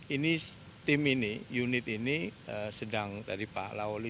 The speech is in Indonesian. ini tim ini unit ini sedang tadi pak lauli